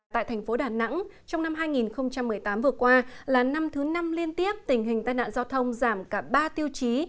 tại thành phố đà nẵng trong năm hai nghìn một mươi tám vừa qua là năm thứ năm liên tiếp tình hình tai nạn giao thông giảm cả ba tiêu chí